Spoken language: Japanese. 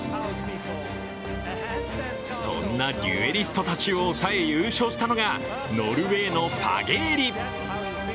そんなデュエリストたちを抑え優勝したのはノルウェーのファゲーリ。